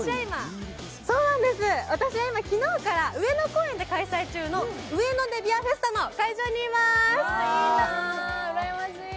私は今、昨日から上野公園で開催中のウエノデ．ビアフェスタの会場にいます。